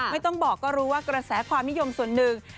ไม่ต้องบอกก็รู้ว่ากระแสความนิยมส่วนหนึ่ง